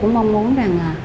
cũng mong muốn rằng